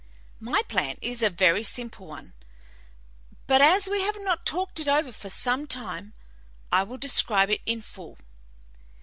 "My plan is a very simple one, but as we have not talked it over for some time, I will describe it in full.